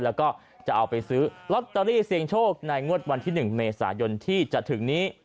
แล้วก็จะเอาไปซื้อลอตเตอรี่เสียงโชคในงวดวันที่๑เมษายนที่จะถึงนี้